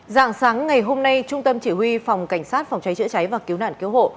dạng sáng ngày hôm nay trung tâm chỉ huy phòng cảnh sát phòng cháy chữa cháy và cứu nạn cứu hộ